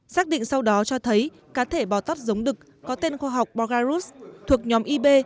xác định sau đó cho thấy cá thể bò tóc giống đực có tên khoa học borgaus thuộc nhóm ib